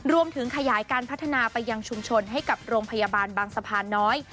รวมถึงขยายการพัฒนาไปยังชุมชนให้กับโรงพยาบาลบางสะพานน้อย